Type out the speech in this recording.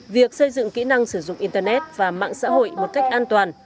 việc xây dựng kỹ năng sử dụng internet và mạng xã hội một cách an toàn